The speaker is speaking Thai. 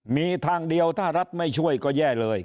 มีทางเดียวถ้ารัฐไม่ช่วยก็แย่เลย